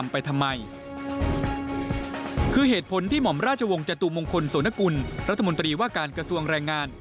พร้อมคนโสณกุลรัฐมนตรีว่าการกระทรวงแรงงาน